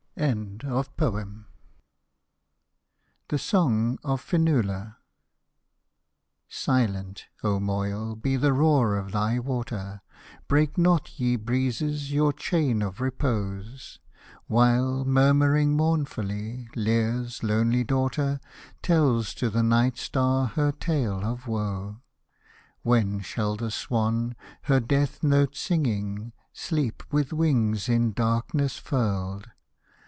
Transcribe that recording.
THE SONG OF FIONNUALA Silent, O Moyle, be the roar of thy water, Break not, ye breezes, your chain of repose, While, murmuring mournfully, Lir's lonely daughter Tells to the night star her tale of woes. When shall the swan, her death note singing. Sleep, with wings in darkness furled